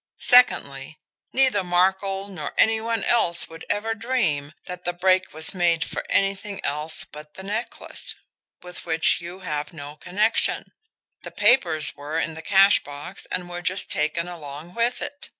Secondly, neither Markel nor any one else would ever dream that the break was made for anything else but the necklace, with which you have no connection the papers were in the cash box and were just taken along with it.